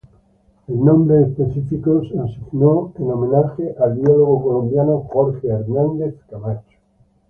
El nombre específico se asignó en homenaje al biólogo colombiano Jorge Hernández Camacho.